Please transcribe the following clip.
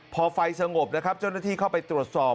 พอไฟสงบนะครับเจ้าหน้าที่เข้าไปตรวจสอบ